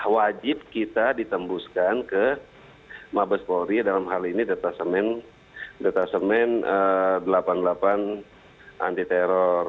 wajib kita ditembuskan ke mabes polri dalam hal ini detasemen delapan puluh delapan anti teror